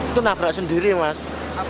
itu nabrak sendiri mas